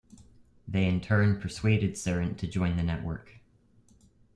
They in turn persuaded Sarant to join the network.